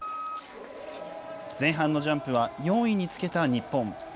前半のジャンプは４位につけた日本。